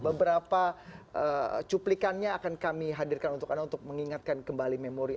beberapa cuplikannya akan kami hadirkan untuk anda untuk mengingatkan kembali memori